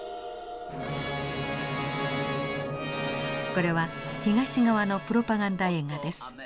これは東側のプロパガンダ映画です。